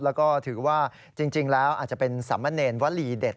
แล้วก็ถือว่าจริงแล้วอาจจะเป็นสามเณรวลีเด็ด